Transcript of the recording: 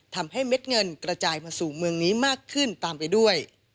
เม็ดเงินกระจายมาสู่เมืองนี้มากขึ้นตามไปด้วย